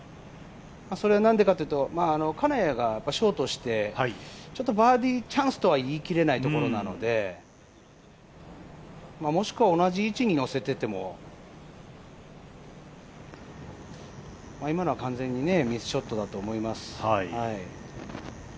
なんでかというと金谷がショートしてバーディーチャンスと言い切れないところなのでもしくは同じ位置にのせてても今のは完全にミスショットだと思います。